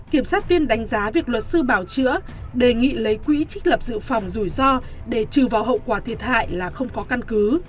kiểm sát viên đánh giá việc luật sư bảo chữa đề nghị lấy quỹ trích lập dự phòng rủi ro để trừ vào hậu quả thiệt hại là không có căn cứ